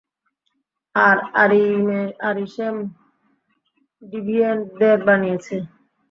আর Arishem ডিভিয়েন্টদের বানিয়েছে।